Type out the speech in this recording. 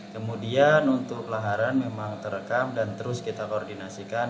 kemudian untuk laharan memang terekam dan terus kita koordinasikan